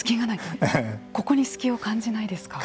ここに隙を感じないですか。